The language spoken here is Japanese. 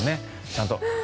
ちゃんと。